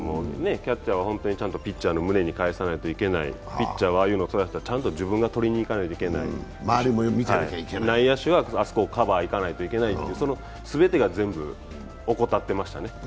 キャッチャーはピッチャーの胸に返さないといけない、ピッチャーはああいうの、とらせたら自分がとらなきゃいけない内野手はあそこにカバー行かなきゃいけないと、その全てが全部、怠ってましたね。